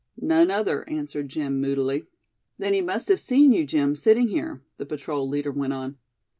"None other," answered Jim, moodily. "Then he must have seen you, Jim, sitting here?" the patrol leader went on.